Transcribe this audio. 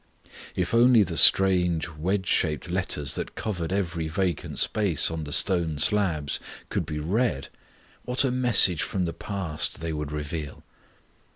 If only the strange wedge shaped letters that covered every vacant space on the stone slabs could be read, what a message from the past they would reveal.